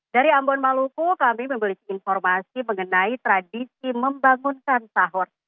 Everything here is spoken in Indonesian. dari ambon maluku kami memiliki informasi mengenai tradisi membangunkan sahur